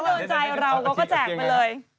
โดนใจเราก็แจกไปเลย